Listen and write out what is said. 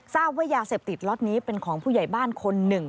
ทราบว่ายาเสพติดล็อตนี้เป็นของผู้ใหญ่บ้านคนหนึ่ง